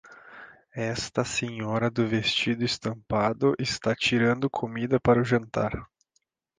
Esta senhora do vestido estampado está tirando comida para o jantar.